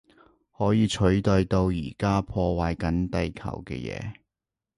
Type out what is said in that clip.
可以取代到而家破壞緊地球嘅嘢